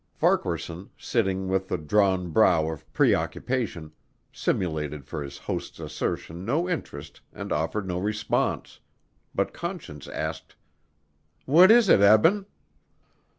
Farquaharson, sitting with the drawn brow of preoccupation, simulated for his host's assertion no interest and offered no response, but Conscience asked, "What is it, Eben?"